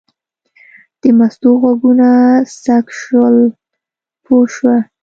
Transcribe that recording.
د مستو غوږونه څک شول پوه شوه.